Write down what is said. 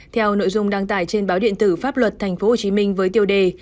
theo nội dung đăng tải trên báo điện tử pháp luật tp hcm với tiêu đề